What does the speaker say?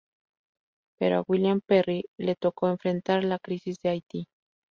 Pero a William Perry le tocó enfrentar la crisis de Haití.